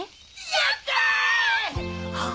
やったぁ！！